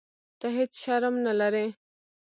ته هیح شرم نه لرې.